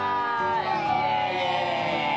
イェーイ！